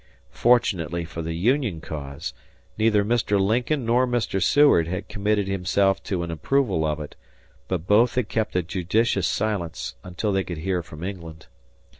Fortunately for the Union cause, neither Mr. Lincoln nor Mr. Seward had committed himself to an approval of it, but both had kept a judicious silence until they could hear from England.